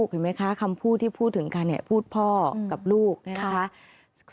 ถูกหรือไม่คะคำพูดที่พูดถึงกันเนี่ยพูดพ่อกับลูกใช่ไหมคะ